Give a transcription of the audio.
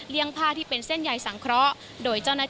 เลี้ยงผ้าที่เป็นเส้นใหญ่สังเคราะห์